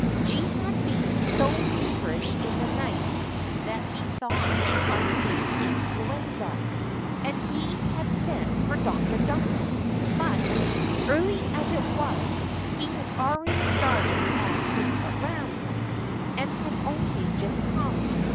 She had been so feverish in the night that he thought it must be influenza, and he had sent for Dr. Duncan; but, early as it was, he had already started on his rounds, and had only just come.